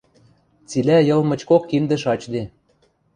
Цилӓ Йыл мычкок киндӹ шачде.